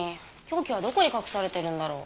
凶器はどこに隠されてるんだろ？